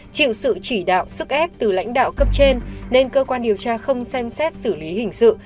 chịu sự chỉ đạo sức ép từ lãnh đạo cấp trên nên cơ quan điều tra không xem xét xử lý hình sự